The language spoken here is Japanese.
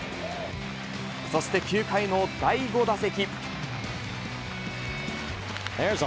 そして９回の第５打席。